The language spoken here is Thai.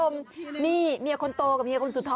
มันไม่รู้มันไม่รู้